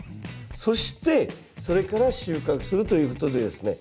そしてそれから収穫するということでですね